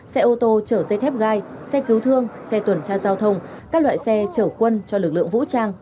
xe ô tô chở dây thép gai xe cứu thương xe tuần tra giao thông các loại xe chở quân cho lực lượng vũ trang